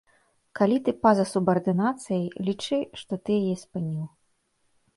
Калі ты па-за субардынацыяй, лічы, што ты яе спыніў.